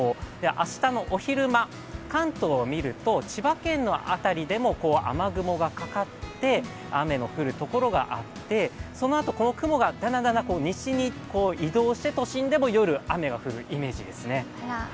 明日のお昼、関東を見ると、千葉県のあたりでも雨雲がかかって雨の降るところがあって、そのあとこの雲がだんだん西に移動して都心でも夜、雨が降るイメージですね。